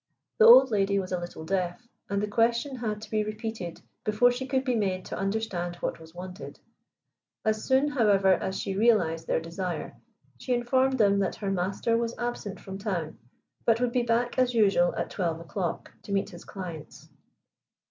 The old lady was a little deaf, and the question had to be repeated before she could be made to understand what was wanted. As soon, however, as she realized their desire, she informed them that her master was absent from town, but would be back as usual at twelve o'clock to meet his clients.